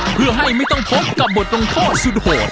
เพื่อให้ไม่ต้องพบกับบทลงโทษสุดโหด